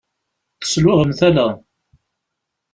Tesluɣem tala.